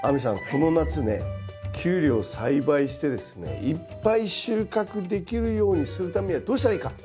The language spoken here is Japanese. この夏ねキュウリを栽培してですねいっぱい収穫できるようにするためにはどうしたらいいか？